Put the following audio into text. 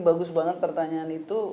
bagus banget pertanyaan itu